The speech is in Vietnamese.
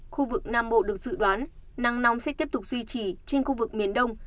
khu vực nam bộ được dự đoán nắng nóng sẽ tiếp tục duy trì trên khu vực miền đông